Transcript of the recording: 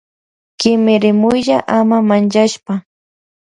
Kimirimuylla ama manchashpa.